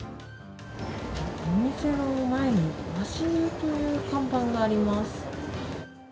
お店の前に足湯という看板があります。